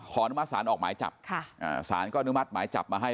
ขอนึกมัดสารออกหมายจับสารก็นึกมัดหมายจับมาให้